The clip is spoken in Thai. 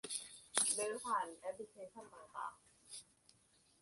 หรือผ่านแอปพลิเคชันต่างต่าง